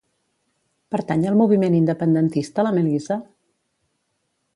Pertany al moviment independentista la Melisa?